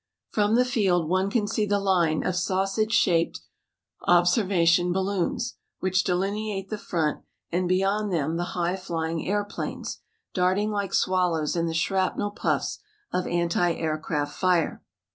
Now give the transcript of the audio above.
From the field one can see the line of sausage shaped observation balloons, which delineate the front, and beyond them the high flying airplanes, darting like swallows in the shrapnel puffs of anti air craft fire.